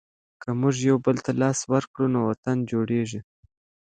که موږ یو بل ته لاس ورکړو نو وطن جوړیږي.